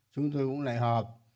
chúng tôi cũng lại họp